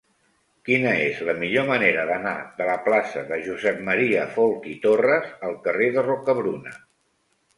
Quina és la millor manera d'anar de la plaça de Josep M. Folch i Torres al carrer de Rocabruna?